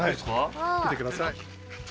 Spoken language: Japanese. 見てください。